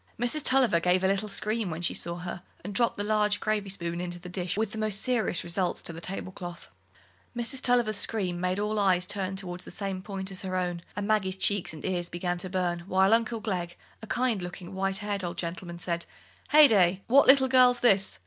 Mrs. Tulliver gave a little scream as she saw her, and dropped the large gravy spoon into the dish with the most serious results to the tablecloth. Mrs. Tulliver's scream made all eyes turn towards the same point as her own, and Maggie's cheeks and ears began to burn, while Uncle Glegg, a kind looking, white haired old gentleman, said: "Heyday! what little girl's this?